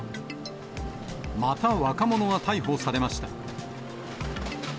また若者が逮捕されました。